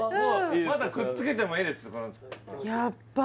またくっつけてもいいですヤッバ